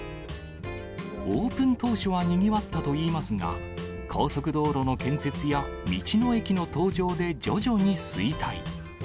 オープン当初はにぎわったといいますが、高速道路の建設や道の駅の登場で徐々に衰退。